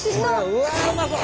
うわうまそう！